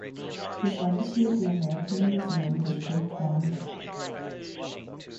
His legacy at the American Museum has proved more enduring.